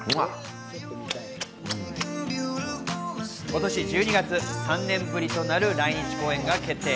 今年１２月、３年ぶりとなる来日公演が決定。